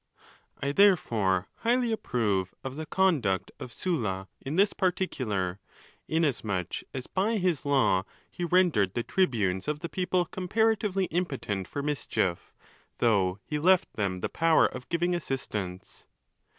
JI therefore highly approve of the conduct of Sylla in this particular, inasmuch as by his law he rendered the tribunes of the people comparatively impotent for mischief, though he left them the' power of giving assistance.